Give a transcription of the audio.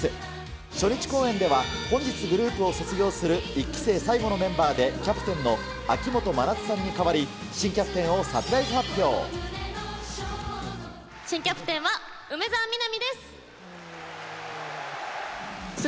初日公演では、本日グループを卒業する１期生最後のメンバーで、キャプテンの秋元真夏さんに代わり、新キャプテンをサプライズ発新キャプテンは、梅澤美波です。